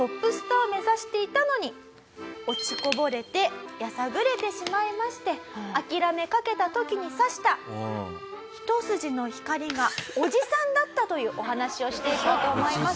落ちこぼれてやさぐれてしまいまして諦めかけた時に差した一筋の光がおじさんだったというお話をしていこうと思います。